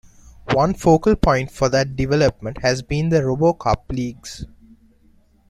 One focal point for that development has been the Robocup Leagues.